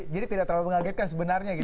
tidak terlalu mengagetkan sebenarnya gitu